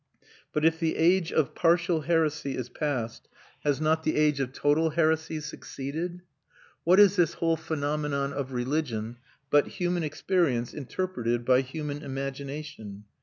But if the age of partial heresy is past, has not the age of total heresy succeeded? What is this whole phenomenon of religion but human experience interpreted by human imagination?